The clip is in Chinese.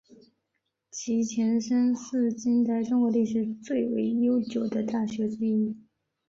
其前身是近代中国历史最为悠久的大学之一。